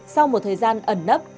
sau một thời gian ẩn nấp